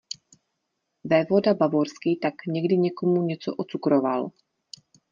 Vévoda bavorský tak někdy někomu něco ocukroval.